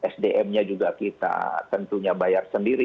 sdm nya juga kita tentunya bayar sendiri